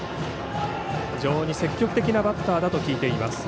非常に積極的なバッターだと聞いています。